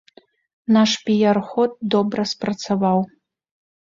Наш піяр-ход добра спрацаваў.